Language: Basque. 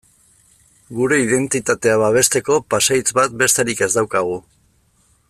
Gure identitatea babesteko pasahitz bat besterik ez daukagu.